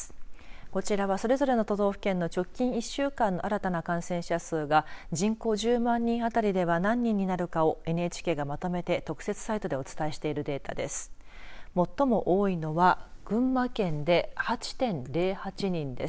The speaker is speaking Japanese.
こちらは、それぞれの都道府県の直近１週間の新たな感染者数が人口１０万人あたりでは何人になるかをＮＨＫがまとめて特設サイトでお伝えしているデータです。